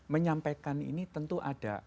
menyampaikan ini tentu ada